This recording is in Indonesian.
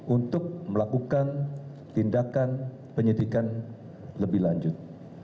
untuk melakukan tindakan penyidikan lebih lanjut